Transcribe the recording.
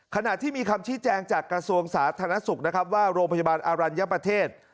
ขณะที่มีคำชี้แจงจากกระทรวงสาธารณสุขนะครับว่าโรงพยาบาลอรัญญประเทศ